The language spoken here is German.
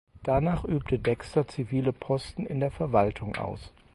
Danach übte Dexter zivile Posten in der Verwaltung aus.